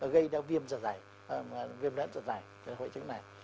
gây đau viêm giả giải viêm đoạn giả giải cái hội chứng này